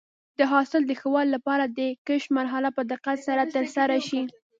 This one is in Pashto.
د حاصل د ښه والي لپاره د کښت مرحله په دقت سره ترسره شي.